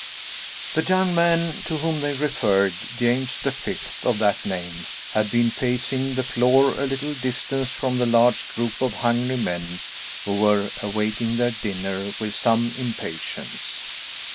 The young man to whom they referred, James, the fifth of that name, had been pacing the floor a little distance from the large group of hungry men who were awaiting their dinner with some impatience.